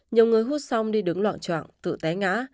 nhiều người hút xong đi đứng loạn trạng tự té ngã